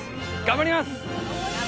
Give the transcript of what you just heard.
頑張ります！